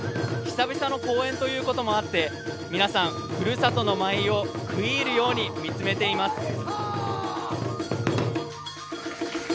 久々の公演ということもあって皆さん、ふるさとの舞を食い入るように見つめています。